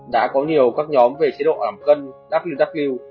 đã có nhiều các nhóm về chế độ giảm cân ww